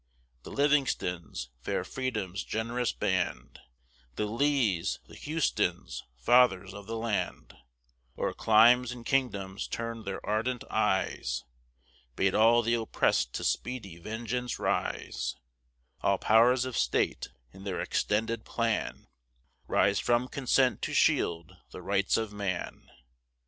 The Livingstons, fair Freedom's gen'rous band, The Lees, the Houstons, fathers of the land, O'er climes and kingdoms turn'd their ardent eyes, Bade all th' oppressed to speedy vengeance rise; All pow'rs of state, in their extended plan, Rise from consent to shield the rights of man.